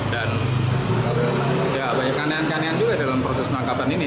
dan banyak kandian kandian juga dalam proses penangkapan ini